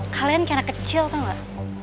kalian kayak anak kecil tau nggak